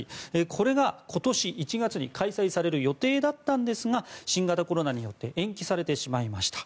これが今年１月に開催される予定だったんですが新型コロナによって延期されてしまいました。